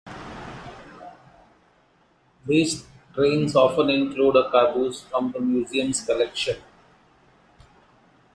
These trains often include a caboose from the museum's collection.